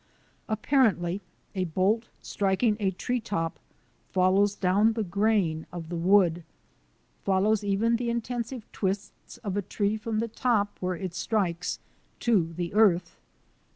Apparently a bolt striking a tree top follows down the grain of the wood — follows even the intensive twists of a tree from the top, where it strikes, to the earth.